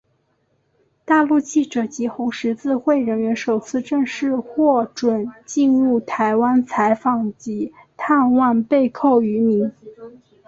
大陆记者及红十字会人员首次正式获准进入台湾采访及探望被扣渔民。